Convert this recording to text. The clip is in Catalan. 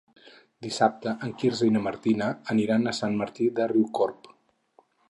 Dissabte en Quirze i na Martina aniran a Sant Martí de Riucorb.